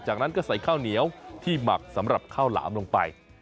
จากนั้นก็ใส่ข้าวเหนียวที่หมักสำหรับข้าวหลามลงไป